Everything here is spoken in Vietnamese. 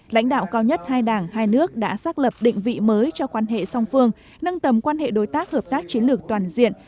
lãnh đạo cao nhất hai đảng hai nước đã xác lập định vị mới cho quan hệ song phương nâng tầm quan hệ đối tác hợp tác chiến lược toàn diện